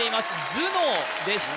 頭脳でした・